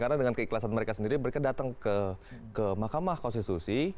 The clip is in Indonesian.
karena dengan keikhlasan mereka sendiri mereka datang ke makamah konstitusi